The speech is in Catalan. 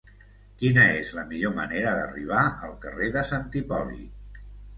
Quina és la millor manera d'arribar al carrer de Sant Hipòlit?